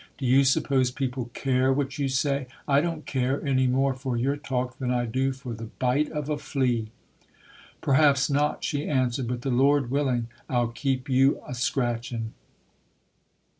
Do you suppose people care what you say? I don't care any more for your talk than I do for the bite of a flea". "Perhaps not", she answered, "but the Lord willing, I'll keep you a scratching."